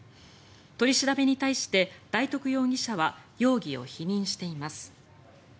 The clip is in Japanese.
取り調べに対して、大徳容疑者は容疑を否認しています。